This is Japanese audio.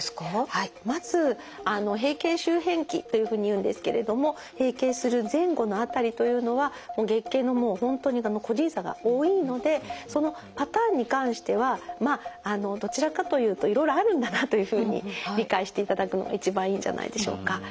はいまず閉経周辺期というふうにいうんですけれども閉経する前後の辺りというのは月経のもう本当に個人差が多いのでそのパターンに関してはまあどちらかというといろいろあるんだなというふうに理解していただくのが一番いいんじゃないでしょうか。